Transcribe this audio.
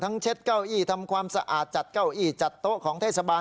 เช็ดเก้าอี้ทำความสะอาดจัดเก้าอี้จัดโต๊ะของเทศบาล